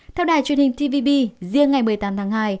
theo đài truyền hình tpbb riêng ngày một mươi tám tháng hai